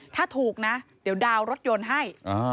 ถ้าถูกนะเดี๋ยวดาวน์รถยนต์ให้